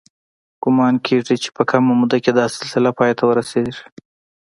ګومان کېږي چې په کمه موده کې دا سلسله پای ته ورسېده